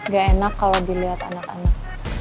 gak enak kalo diliat anak anak